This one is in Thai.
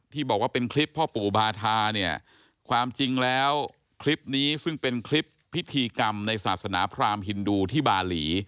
บอกว่าเป็นคลิปพ่อปู่บาธาเนี่ยความจริงแล้วคลิปนี้ซึ่งเป็นคลิปพิธีกรรมในศาสนาพรามฮินดูที่บาหลี